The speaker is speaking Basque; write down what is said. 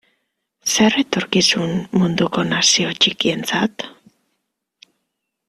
Zer etorkizun munduko nazio txikientzat?